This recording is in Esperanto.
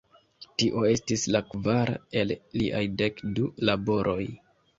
Tio estis la kvara el liaj dek du laboroj.